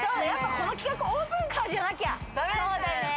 この企画、オープンカーじゃなきゃ。